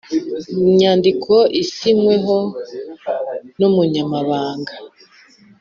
Nyandiko isinyweho n umunyamabanga